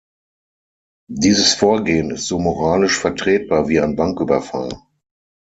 Dieses Vorgehen ist so moralisch vertretbar wie ein Banküberfall.